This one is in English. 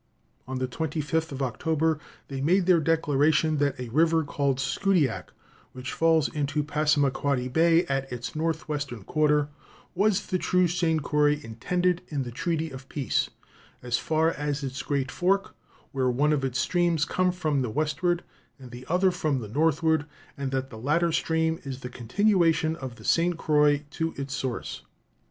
On the 25th of October they made their declaration that a river called Scoodiac, which falls into Passamaquoddy Bay at its northwestern quarter, was the true St. Croix intended in the treaty of peace, as far as its great fork, where one of its streams comes from the westward and the other from the northward, and that the latter stream is the continuation of the St. Croix to its source.